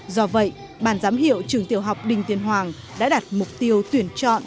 do vậy bàn giám hiệu trường tiểu học đinh tiên hoàng đã đặt mục tiêu tuyển chọn